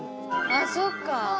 あっそっか。